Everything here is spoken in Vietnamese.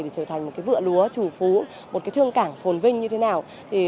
để trở thành một vựa lúa chủ phú một thương cảng phồn vinh như thế nào